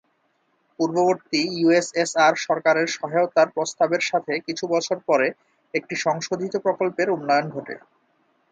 পূর্ববর্তী ইউএসএসআর সরকারের সহায়তার প্রস্তাবের সাথে, কিছু বছর পরে একটি সংশোধিত প্রকল্পের উন্নয়ন ঘটে।